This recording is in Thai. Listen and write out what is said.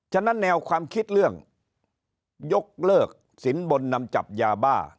ฉะนั้นแนวความคิดเรื่องยกเลิกสินบนนำจับยาบ้า